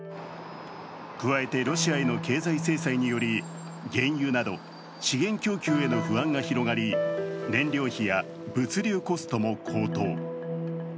加えてロシアへの経済制裁により原油など資源供給への不安が広がり燃料費や物流コストも高騰。